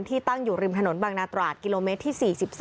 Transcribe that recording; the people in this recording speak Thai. ตั้งอยู่ริมถนนบางนาตราดกิโลเมตรที่๔๓